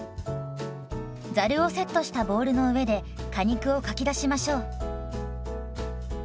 ざるをセットしたボウルの上で果肉をかき出しましょう。